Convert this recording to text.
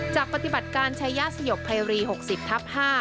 จากปฏิบัติการใช้ยาสยกไพรี๖๐ทับ๕